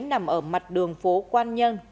nằm ở mặt đường phố quan nhân